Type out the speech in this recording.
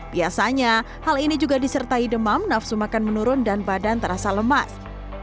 biasanya hal ini juga disertai demam nafsu makan menurun dan badan terasa lemas